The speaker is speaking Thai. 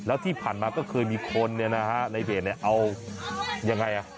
แล้วที่ผ่านมาก็เคยมีคนเนี่ยนะฮะในเพจเนี่ยเอายังไงอ่ะ